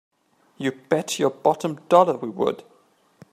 You bet your bottom dollar we would!